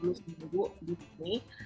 jadi harus bertahan dulu dulu di sini